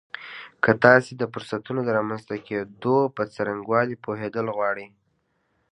که تاسې د فرصتونو د رامنځته کېدو په څرنګوالي پوهېدل غواړئ.